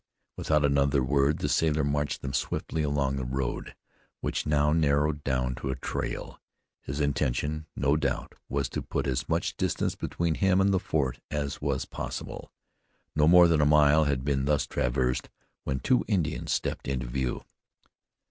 Without another word the sailor marched them swiftly along the road, which now narrowed down to a trail. His intention, no doubt, was to put as much distance between him and the fort as was possible. No more than a mile had been thus traversed when two Indians stepped into view.